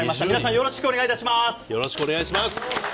よろしくお願いします。